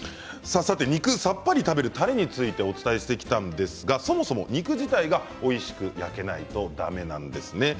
肉をさっぱり食べるタレについてお伝えしてきたんですがそもそも肉自体がおいしく焼けないとだめなんですね。